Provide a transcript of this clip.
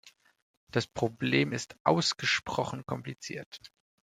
Das Problem ist ausgesprochen kompliziert.